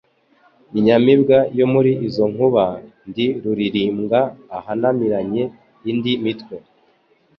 Inyamibwa yo muri izo nkuba, ndi rulirimbwa ahananiranye indi mitwe